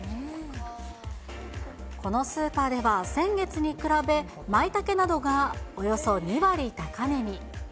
このスーパーでは先月に比べ、マイタケなどがおよそ２割高値に。